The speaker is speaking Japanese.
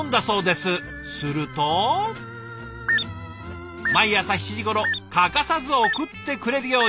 すると毎朝７時ごろ欠かさず送ってくれるように。